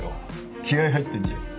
気合入ってんじゃん。